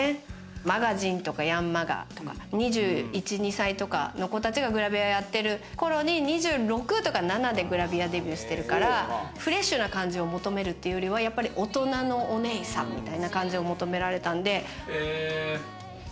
『マガジン』とか『ヤンマガ』とか２１２２歳の子たちがグラビアやっている頃に２６とか７でグラビアデビューしてるからフレッシュな感じを求めるというよりは大人のお姉さんみたいな感じを求められたんで。